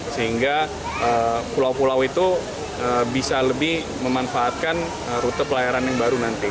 sehingga pulau pulau itu bisa lebih memanfaatkan rute pelayaran yang baru nanti